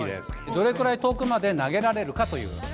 どれくらい遠くまで投げられるかという。